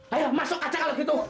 ayo masuk aja kalau gitu